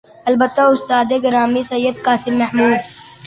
البتہ استاد گرامی سید قاسم محمود